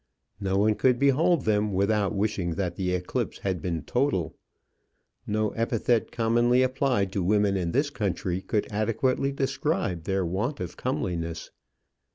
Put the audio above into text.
No one could behold them without wishing that the eclipse had been total. No epithet commonly applied to women in this country could adequately describe their want of comeliness.